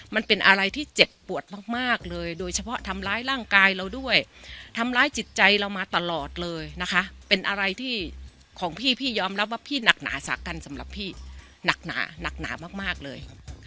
มันเป็นอะไรที่เจ็บปวดมากเลยโดยเฉพาะทำร้ายร่างกายเราด้วยทำร้ายจิตใจเรามาตลอดเลยนะคะเป็นอะไรที่ของพี่พี่ยอมรับว่าพี่หนักหนาสากันสำหรับพี่หนักหนาหนักหนามากเลย